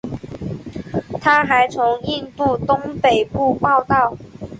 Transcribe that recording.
他还从印度东北部报道。